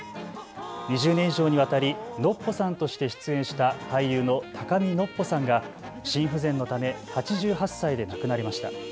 ２０年以上にわたりノッポさんとして出演した俳優の高見のっぽさんが心不全のため８８歳で亡くなりました。